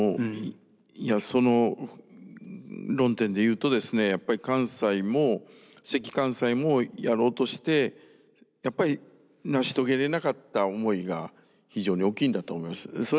その論点でいうとですねやっぱり関寛斎もやろうとしてやっぱり成し遂げれなかった思いが非常に大きいんだと思います。